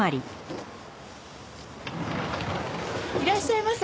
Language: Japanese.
いらっしゃいませ。